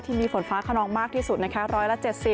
ที่มีฝนฟ้าขนองมากที่สุดนะคะ๑๗๐